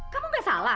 kamu gak salah